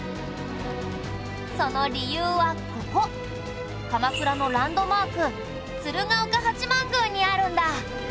その理由はここ鎌倉のランドマーク鶴岡八幡宮にあるんだ。